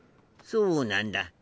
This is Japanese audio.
そうなんだ。